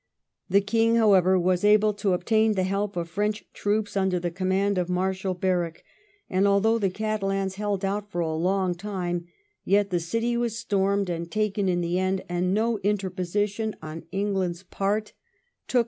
The King, however, was able to obtain the help of French troops under the command of Marshal Berwick, and although the Catalans held out for a long time, yet the city was stormed and taken in the end, and no interposition on England's part took 1713 BOLINGBEOKE A FREE TRADER.